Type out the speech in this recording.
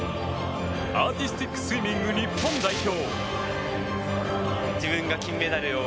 アーティスティックスイミング日本代表。